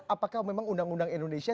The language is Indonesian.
apakah memang undang undang indonesia